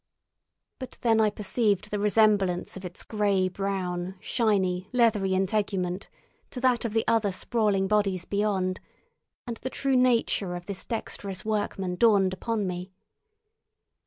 But then I perceived the resemblance of its grey brown, shiny, leathery integument to that of the other sprawling bodies beyond, and the true nature of this dexterous workman dawned upon me.